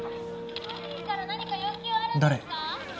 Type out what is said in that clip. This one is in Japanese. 誰？